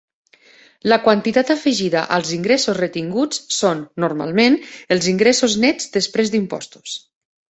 La quantitat afegida als ingressos retinguts són normalment els ingressos nets després d'impostos.